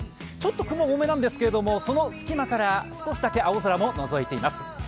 ちょっと雲が多めなんですが、その隙間から少しだけ青空ものぞいています。